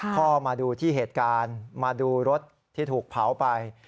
มาดูที่เหตุการณ์มาดูรถที่ถูกเผาไป